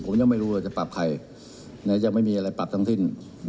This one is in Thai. ผมยังไม่รู้เลยจะปรับใครยังไม่มีอะไรปรับทั้งสิ้น